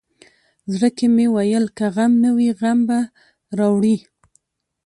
زړه کې مې ویل که غم نه وي غم به راوړي.